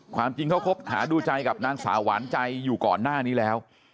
ความจริงเขาคบหาดูใจกับนางสาวหวานใจอยู่ก่อนหน้านี้แล้ว